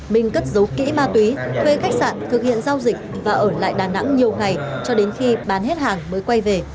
minh cất giấu kỹ ma túy thuê khách sạn thực hiện giao dịch và ở lại đà nẵng nhiều ngày cho đến khi bán hết hàng mới quay về